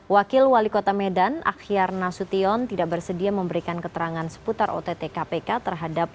wakil wali kota medan akhyar nasution tidak bersedia memberikan keterangan seputar ott kpk terhadap